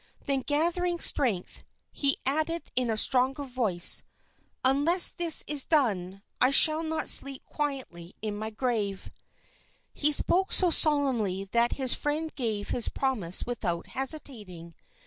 Then gathering strength, he added in a stronger voice, "Unless this is done, I shall not sleep quietly in my grave!" He spoke so solemnly that his friend gave his promise without hesitating.